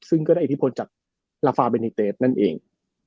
ซึ่งก็ได้อิทธิพลจากลาฟาเบนิเตสนั่นเอง